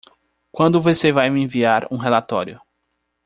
Quando você vai me enviar um relatório?